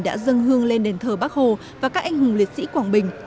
đã dâng hương lên đền thờ bắc hồ và các anh hùng liệt sĩ quảng bình